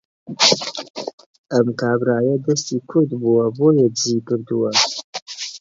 ئەم کابرایە دەستی کورت بووە بۆیە دزی کردووە